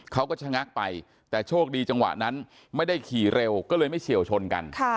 เขาก็ชะงักไปแต่โชคดีจังหวะนั้นไม่ได้ขี่เร็วก็เลยไม่เฉียวชนกัน